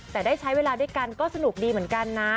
แต่ได้ใช้เวลาด้วยกันก็สนุกดีเหมือนกันนะ